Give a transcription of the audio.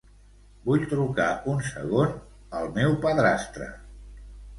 Vull trucar un segon al meu padrastre.